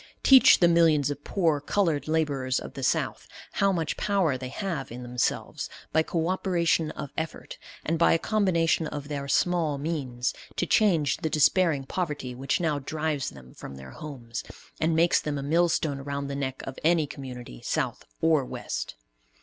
Teach the millions of poor colored laborers of the South how much power they have in themselves, by co operation of effort, and by a combination of their small means, to change the despairing poverty which now drives them from their homes, and makes them a millstone around the neck of any community, South or West.